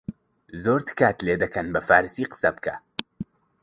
«زۆر تکات لێ دەکەن بە فارسی قسە بکە